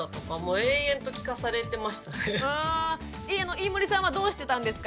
飯森さんはどうしてたんですか？